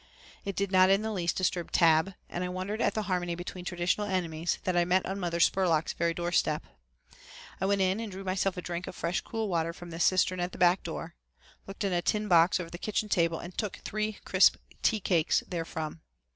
It did not in the least disturb Tab, and I wondered at the harmony between traditional enemies that I met on Mother Spurlock's very doorstep. I went in and drew myself a drink of fresh cool water from the cistern at the back door, looked in a tin box over the kitchen table and took three crisp tea cakes therefrom.